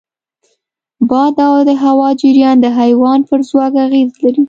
باد او د هوا جریان د حیوان پر ځواک اغېز لري.